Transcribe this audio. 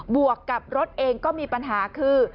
วกกับรถเองก็มีปัญหาคือ